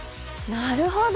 なるほど。